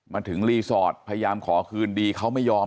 มาถึงรีสอร์ทพยายามขอคืนดีเขาไม่ยอม